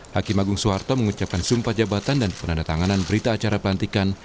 hakim agung soeharto mengucapkan sumpah jabatan dan penandatanganan berita acara pelantikan